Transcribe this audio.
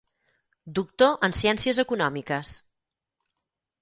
Doctor en ciències econòmiques.